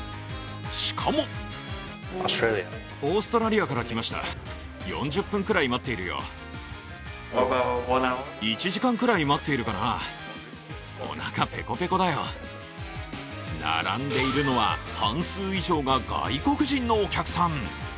しかも並んでいるのは半数以上が外国人のお客さん。